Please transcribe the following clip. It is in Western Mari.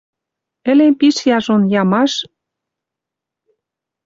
Ӹлем пиш яжон, ямаш!